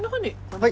はい。